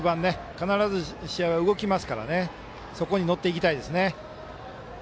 必ず、試合は動きますからそこに乗っていきたいですね。